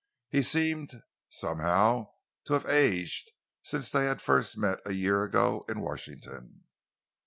He seemed, somehow, to have aged since they had first met, a year ago, in Washington.